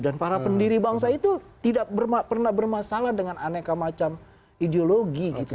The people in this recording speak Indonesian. dan para pendiri bangsa itu tidak pernah bermasalah dengan aneka macam ideologi gitu